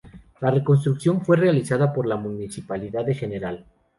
La reconstrucción fue realizada por la Municipalidad de Gral.